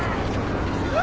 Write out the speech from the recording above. うわ！